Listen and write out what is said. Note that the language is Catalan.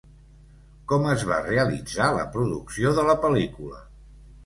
Com es va realitzar la producció de la pel·lícula?